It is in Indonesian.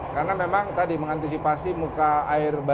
karena memang tadi mengantisipasi muka air berubah